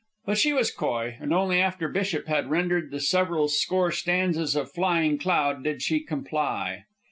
But she was coy, and only after Bishop had rendered the several score stanzas of "Flying Cloud" did she comply.